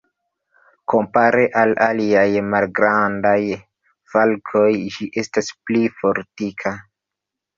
Kompare al aliaj malgrandaj falkoj, ĝi estas pli fortika.